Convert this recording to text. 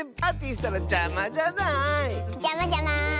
じゃまじゃま。